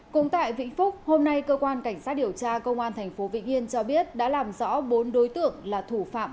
cũng tại vĩnh phúc hôm nay cơ quan cảnh sát điều tra công an tp vĩnh yên cho biết đã làm rõ bốn đối tượng là thủ phạm